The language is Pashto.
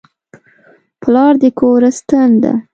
پلار د کور ستن ده.